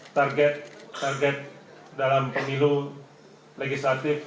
target target dalam pemilu legislatif